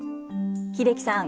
英樹さん